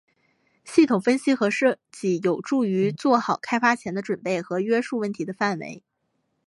系统分析和设计有助于做好开发前的准备和约束问题的范围。